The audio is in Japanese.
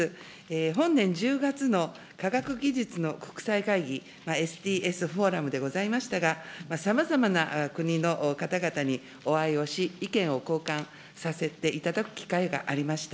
本年１０月の科学技術の国際会議、ＳＴＳフォーラムでございましたが、さまざまな国の方々にお会いをし、意見を交換させていただく機会がありました。